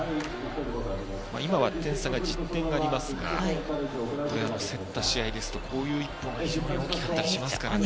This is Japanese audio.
今は点差が１０点ありますが競った試合ですとこういう１本が非常に大きかったりしますよね。